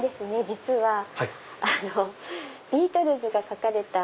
実はビートルズが描かれた。